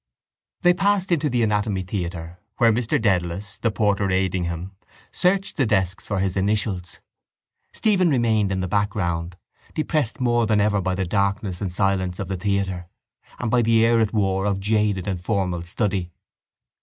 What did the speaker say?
They passed into the anatomy theatre where Mr Dedalus, the porter aiding him, searched the desks for his initials. Stephen remained in the background, depressed more than ever by the darkness and silence of the theatre and by the air it wore of jaded and formal study.